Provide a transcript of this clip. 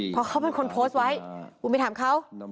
เพราะเขาเป็นคนโพสต์ไว้คุณไปถามเขา